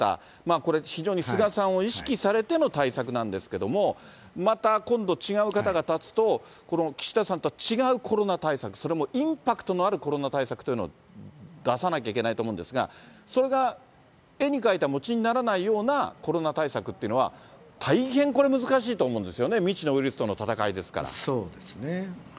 これ、非常に菅さんを意識されての対策なんですけども、また、今度違う方が立つと、この岸田さんとは違うコロナ対策、それもインパクトのあるコロナ対策というのを出さなきゃいけないと思うんですが、それが絵に描いた餅にならないような、コロナ対策ってのは、大変これ、難しいと思うんですよね、そうですね。